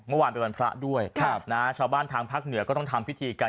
เมื่อวานเป็นวันพระด้วยชาวบ้านทางภาคเหนือก็ต้องทำพิธีกัน